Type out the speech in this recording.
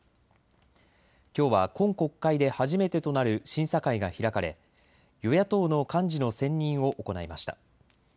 きょうは今国会で初めてとなる審査会が開かれ与野党の幹事の選任を行いました。